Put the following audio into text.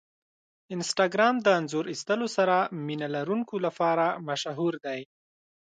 انسټاګرام د انځور ایستلو سره مینه لرونکو لپاره مشهور دی.